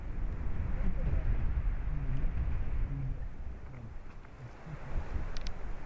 Fue enterrado en la Iglesia del Castillo en Stuttgart.